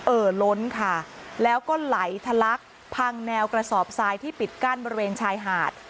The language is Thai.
เอ่อล้นค่ะแล้วก็ไหลทะลักพังแนวกระสอบทรายที่ปิดกั้นบริเวณชายหาด